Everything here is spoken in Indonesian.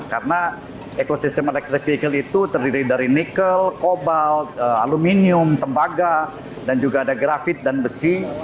karena ekosistem elektrik pihikel itu terdiri dari nikel kobalt aluminium tembaga dan juga ada grafit dan besi